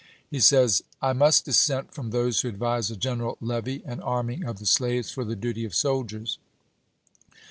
He says : I must dissent from those who advise a general levy and arming of the slaves for the duty of soldiers.